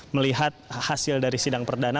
melihat hasil dari sidang perdana